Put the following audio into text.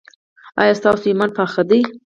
ایا ستاسو ایمان پاخه دی؟